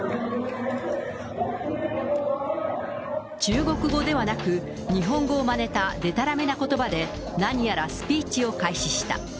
中国語ではなく、日本語をまねたでたらめなことばで、なにやらスピーチを開始した。